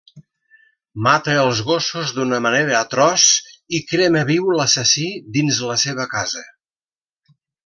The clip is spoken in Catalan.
Mata els gossos d'una manera atroç i crema viu l'assassí dins la seva casa.